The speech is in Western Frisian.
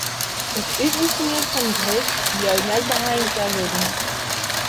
It útoefenjen fan druk bliuwt net beheind ta wurden.